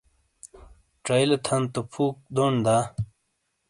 چَئیلے تھن تو فُوک دون دا؟